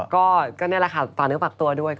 ก็นี่แหละค่ะต่อเนื้อฝากตัวด้วย